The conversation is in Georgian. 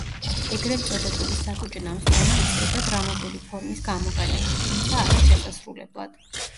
ეგრეთ წოდებული „საკუჭნაოს დრამა“ იწერება დრამატული ფორმის გამოყენებით, თუმცა არა შესასრულებლად.